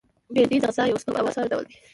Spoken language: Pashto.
بېنډۍ د غذا یو سپک او آسانه ډول دی